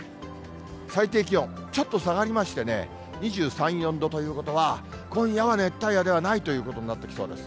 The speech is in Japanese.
最低気温、ちょっと下がりまして、２３、４度ということは、今夜は熱帯夜ではないということになってきそうです。